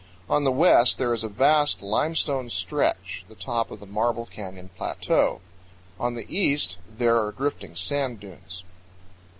On the west there is a vast limestone stretch, the top of the Marble Canyon Plateau; on the east there are drifting sand dunes.